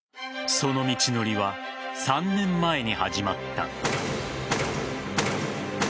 その道のりは３年前に始まった。